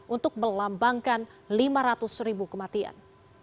untuk melambangkan lima ratus ribu kematian